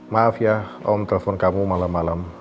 maaf ya om telpon kamu malam malam